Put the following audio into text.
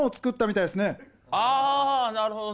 あー、なるほどね。